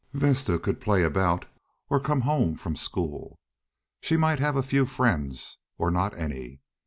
Vesta could play about or come home from school. She might have a few friends, or not any.